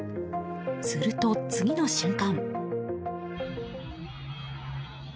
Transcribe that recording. すると、次の瞬間。